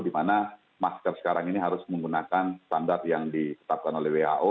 dimana masker sekarang ini harus menggunakan standar yang ditetapkan oleh wao